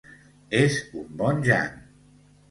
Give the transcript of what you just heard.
És un bon jan!